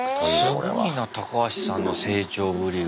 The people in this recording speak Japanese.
すごいなタカハシさんの成長ぶりが。